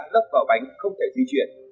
đất đá lấp vào bánh không thể di chuyển